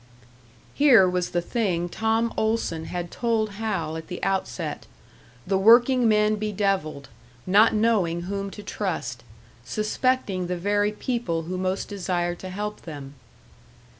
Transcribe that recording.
Here was the thing Tom Olson had told Hal at the outset the workingmen bedevilled, not knowing whom to trust, suspecting the very people who most desired to help them.